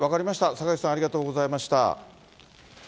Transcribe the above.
坂口さん、ありがとうございました。